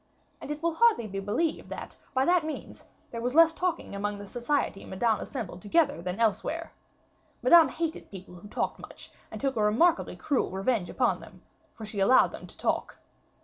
And it will hardly be believed, that, by that means, there was less talking among the society Madame assembled together than elsewhere. Madame hated people who talked much, and took a remarkably cruel revenge upon them, for she allowed them to talk.